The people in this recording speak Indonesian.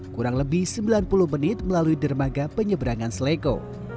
kurang lebih sembilan puluh menit melalui dermaga penyeberangan seleko